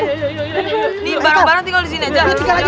ini barang barang tinggal disini aja